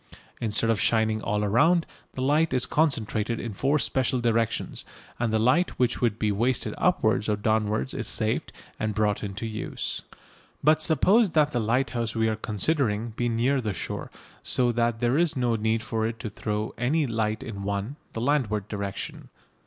Instead of shining all round, the light is concentrated in four special directions, and the light which would be wasted upwards or downwards is saved and brought into use. But suppose that the lighthouse we are considering be near the shore, so that there is no need for it to throw any light in one the landward direction.